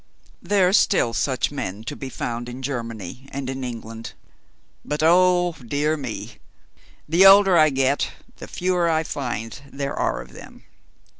There are still such men to be found in Germany and in England; but, oh! dear me, the older I get the fewer I find there are of them.